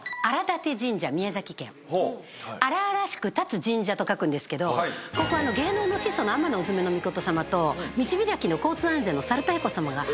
荒々しく立つ神社と書くんですけどここ芸能の始祖の天鈿女命さまと道開きの交通安全の猿田彦さまが初めて。